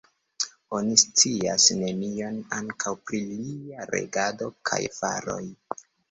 Oni scias nenion ankaŭ pri lia regado kaj faroj.